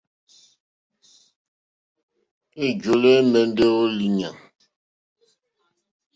Ɛ̀njɔ́lɔ́ ɛ̀mɛ́ndɛ́ ó lìɲɛ̂.